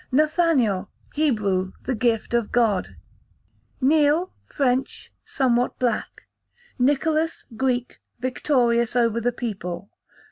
Nathaniel, Hebrew, the gift of God. Neal, French, somewhat black. Nicholas, Greek, victorious over the people.